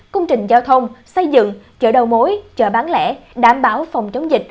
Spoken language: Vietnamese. công trình giao thông xây dựng chợ đầu mối chợ bán lẻ đảm bảo phòng chống dịch